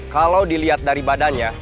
kalau dilihat dari badannya